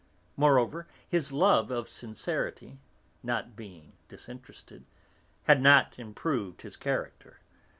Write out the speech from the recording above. Moreover, his love of sincerity, not being disinterested, had not improved his character.